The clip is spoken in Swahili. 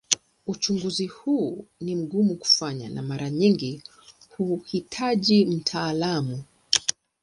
Uchunguzi huu ni mgumu kufanywa na mara nyingi huhitaji mtaalamu.